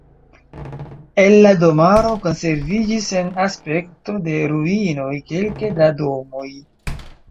El la domaro konserviĝis en aspekto de ruinoj kelke da domoj.